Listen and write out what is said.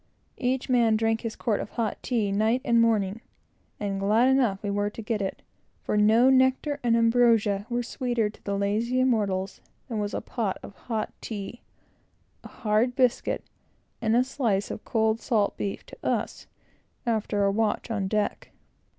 Each man drank his quart of hot tea night and morning; and glad enough we were to get it, for no nectar and ambrosia were sweeter to the lazy immortals, than was a pot of hot tea, a hard biscuit, and a slice of cold salt beef, to us after a watch on deck.